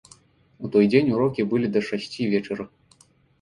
У той дзень урокі былі да шасці вечара.